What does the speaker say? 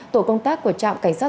tổ công tác của trạm cảnh sát